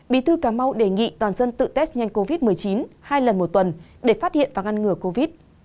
bí thư cà mau đề nghị toàn dân tự test nhanh covid một mươi chín hai lần một tuần để phát hiện và ngăn ngừa covid